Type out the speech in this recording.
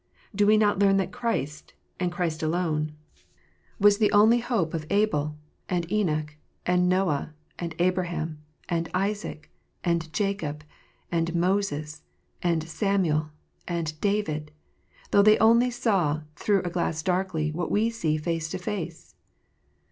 Do we not learn that Christ, and Christ alone, was the only THE PRIEST. 247 hope of Abel, and Enoch, and Noah, and Abraham, and Isaac, and Jacob, and Moses, and Samuel, and David, though they only saw " through a glass darkly " what we see face to face